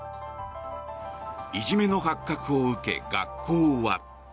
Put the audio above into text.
いじめの発覚を受け、学校は。